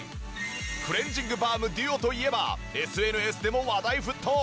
クレンジングバームＤＵＯといえばＳＮＳでも話題沸騰！